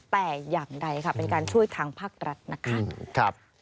แต่อย่างใดค่ะเป็นการช่วยทางภาครัฐนะคะ